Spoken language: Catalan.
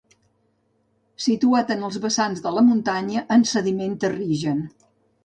Situat en els vessants de la muntanya, en sediment terrigen.